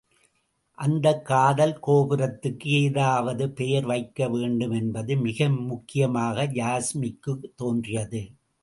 அந்தக் காதல் கோபுரத்துக்கு ஏதாவது பெயர் வைக்க வேண்டுமென்பது மிக முக்கியமாக யாஸ்மிக்குத் தோன்றியது.